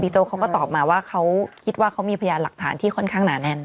โจ๊เขาก็ตอบมาว่าเขาคิดว่าเขามีพยานหลักฐานที่ค่อนข้างหนาแน่น